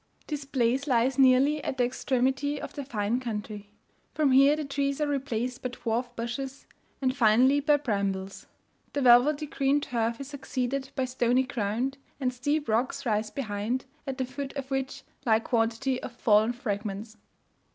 This place lies nearly at the extremity of the fine country. From here the trees are replaced by dwarf bushes, and finally by brambles; the velvety green turf is succeeded by stony ground, and steep rocks rise behind, at the foot of which lie a quantity of fallen fragments.